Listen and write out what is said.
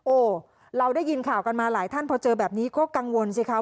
เราได้ยินข่าวกันมาหลายท่านพอเจอแบบนี้ก็กังวลสิคะ